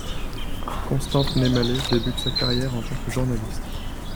Constant Nemale débute sa carrière en tant que journaliste.